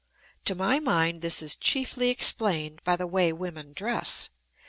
To my mind, this is chiefly explained by the way women dress.